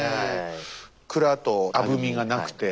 くらとあぶみがなくて。